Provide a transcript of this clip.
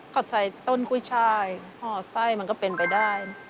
ก็ใส่ต้นกุ้ยชายห่อไส้มันก็เป็นไปได้